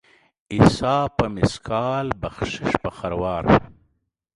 حساب په مثقال ، بخشش په خروار.